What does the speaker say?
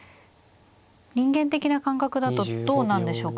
人間的な感覚だとどうなんでしょうか。